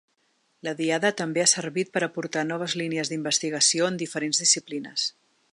La diada també ha servit per aportar noves línies d’investigació en diferents disciplines.